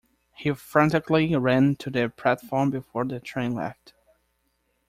He frantically ran to the platform before the train left.